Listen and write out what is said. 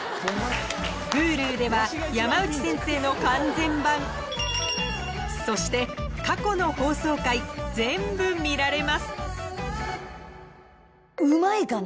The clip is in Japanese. Ｈｕｌｕでは山内先生の完全版そして過去の放送回全部見られますうまいかね？